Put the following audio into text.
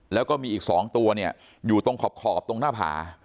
แล้วก็มีอีก๒ตัวเนี่ยอยู่ตรงขอบตรงหน้าผา